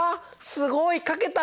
すごいかけた！